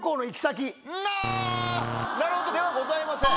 ピンポンなるほどではございません。